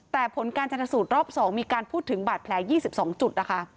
แต่ผลการชนสูตรรอบ๒มีการพูดถึงบาดแผล๒๒จุดนะคะ